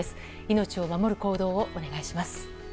命を守る行動をお願いします。